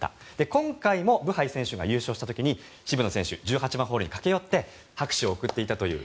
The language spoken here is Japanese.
今回もブハイ選手が優勝した時に渋野選手１８番ホールに駆け寄って拍手を送っていたという。